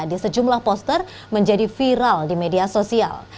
di sejumlah poster menjadi viral di media sosial